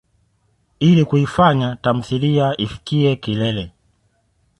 Ili kuifanya tamthilia ifikiye kilele.